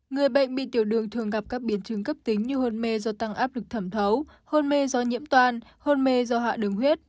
người bệnh bị tiểu đường thường gặp các biến chứng cấp tính như hôn mê do tăng áp lực thẩm thấu hôn mê do nhiễm toan hôn mê do hạ đường huyết